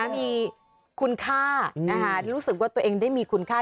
มีคุณค่ารู้สึกว่าตัวเองได้มีคุณค่า